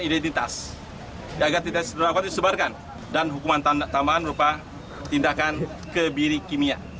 identitas agar tidak dapat disebarkan dan hukuman tambahan berupa tindakan kebiri kimia